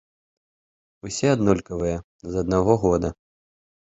Усе аднолькавыя, з аднаго года.